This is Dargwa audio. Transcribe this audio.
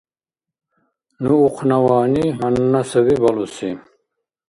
— Ну ухънаваъни гьанна саби балуси.